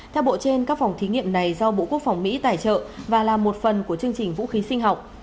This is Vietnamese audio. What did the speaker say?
theo bộ trên các phòng thí nghiệm này do bộ quốc phòng mỹ tài trợ và là một phần của chương trình vũ khí sinh học